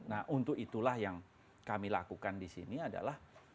nah untuk itulah yang kami lakukan di sini adalah